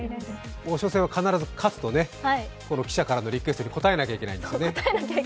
王将戦は必ず勝つと記者からのリクエストに応えなくちゃいけないんですよね。